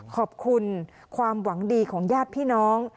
ขอบคุณความหวังดีของญาติพี่น้อง